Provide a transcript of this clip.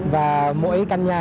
và mỗi căn nhà